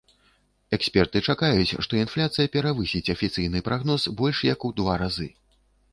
Эксперты чакаюць, што інфляцыя перавысіць афіцыйны прагноз больш як у два разы.